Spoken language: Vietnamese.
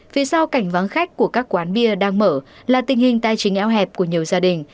phía sau cảnh vắng khách của các quán bia đang mở là tình hình tài chính eo hẹp của nhiều gia đình